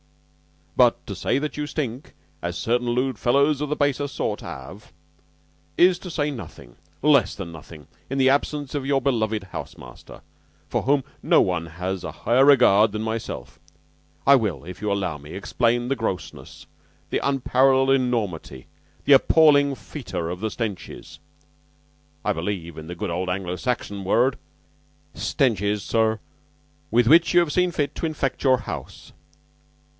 "But to say that you stink, as certain lewd fellows of the baser sort aver, is to say nothing less than nothing. In the absence of your beloved house master, for whom no one has a higher regard than myself, I will, if you will allow me, explain the grossness the unparalleled enormity the appalling fetor of the stenches (I believe in the good old Anglo Saxon word), stenches, sir, with which you have seen fit to infect your house...